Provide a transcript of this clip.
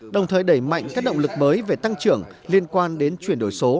đồng thời đẩy mạnh các động lực mới về tăng trưởng liên quan đến chuyển đổi số